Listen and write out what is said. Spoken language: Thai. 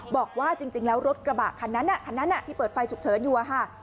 บอกว่าจริงแล้วรถกระบะคันนั้นคันนั้นที่เปิดไฟฉุกเฉินอยู่อะค่ะ